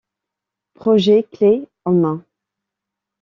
Projet clé en main.